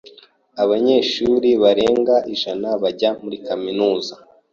Abanyeshuri barenga ku ijana bajya muri kaminuza.